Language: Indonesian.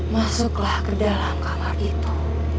masuklah ke dalam kamar itu